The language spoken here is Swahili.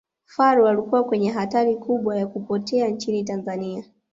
faru alikuwa kwenye hatari kubwa ya kupotea nchini tanzania